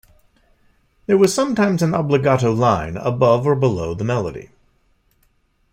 There was sometimes an obbligato line above or below the melody.